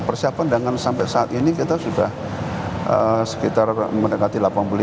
persiapan dengan sampai saat ini kita sudah sekitar mendekati delapan puluh lima